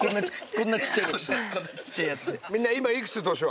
こんな小っちゃいやつで。